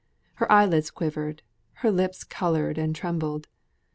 Her eyelids quivered, her lips coloured and trembled.